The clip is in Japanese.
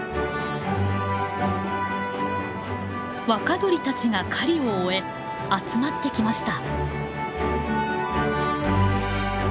若鳥たちが狩りを終え集まってきました。